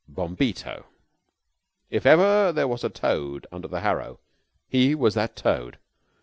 Bombito. If ever there was a toad under the harrow, he was that toad.